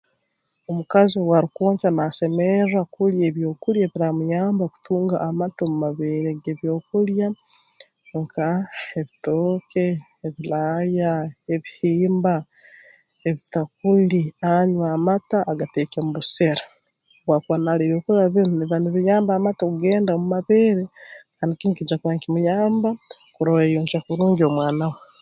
Omukazi owaarukwonkya naasemerra kulya ebyokulya ebiraamuyamba okutunga amata omu mabeere ge ebyokulya nka ebitooke ebilaaya ebihimba ebitakuli anywe amata agateeke omu busera obu akuba naalya ebyokulya binu nibiba nibuyamba amata okugenda mu mabeere kandi kinu nikiija kuba nkimuyamba kurora yayonkya kurungi omwana we